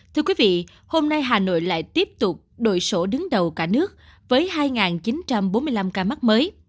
thưa quý vị hôm nay hà nội lại tiếp tục đổi sổ đứng đầu cả nước với hai chín trăm bốn mươi năm ca mắc mới